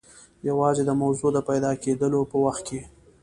یوازې د موضوع د پیدا کېدلو په وخت کې.